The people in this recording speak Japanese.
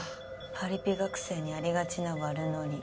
パリピ学生にありがちな悪ノリ。